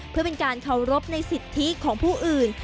เพื่อเป็นการเคารพในสิทธิของผู้อื่น